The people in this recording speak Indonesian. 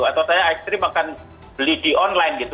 atau saya ekstrim akan beli di online gitu